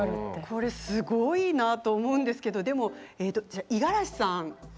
これすごいなと思うんですけどでも五十嵐さん